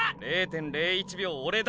０．０１秒オレだ！